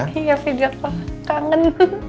iya video call kangen